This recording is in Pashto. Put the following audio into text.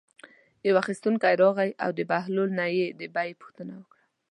یو اخیستونکی راغی او د بهلول نه یې د بیې پوښتنه وکړه.